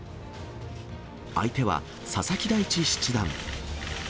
相手は佐々木大地七段。